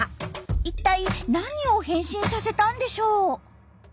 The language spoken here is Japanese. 一体何を変身させたんでしょう？